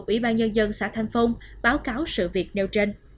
ủy ban nhân dân xã thanh phong báo cáo sự việc nêu trên